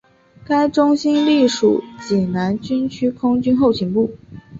该中心隶属济南军区空军后勤部。